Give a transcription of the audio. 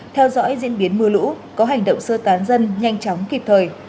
theo dõi diễn biến mưa lũ có hành động sơ tán dân nhanh chóng kịp thời